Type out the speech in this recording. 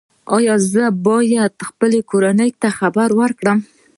ایا زه باید خپلې کورنۍ ته خبر ورکړم؟